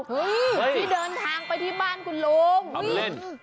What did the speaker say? ที่เดินทางไปที่บ้านคุณลุงนี่